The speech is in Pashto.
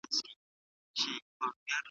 دواړي سترګي د غوايي دي ورتړلي